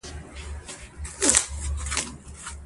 د هیواد د ابادۍ لپاره یو لاس شئ.